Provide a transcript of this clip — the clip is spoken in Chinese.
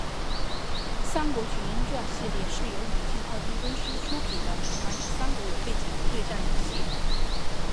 三国群英传系列是由宇峻奥汀公司出品的一款以三国为背景的对战游戏。